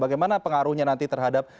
bagaimana pengaruhnya nanti terhadap